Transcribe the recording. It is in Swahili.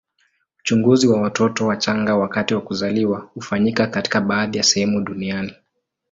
Uchunguzi wa watoto wachanga wakati wa kuzaliwa hufanyika katika baadhi ya sehemu duniani.